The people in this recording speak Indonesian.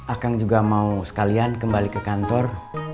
akang juga mau sekalian kembali ke kantor